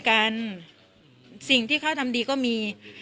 กินโทษส่องแล้วอย่างนี้ก็ได้